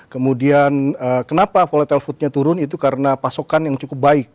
kemudian kenapa volatile foodnya turun itu karena pasokan yang cukup baik